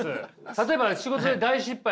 例えば仕事で大失敗